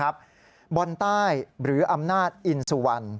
บรรไต้หรืออำนาจอินสุวัน